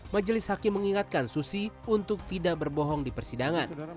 majelis hakim mengingatkan susi untuk tidak berbohong di persidangan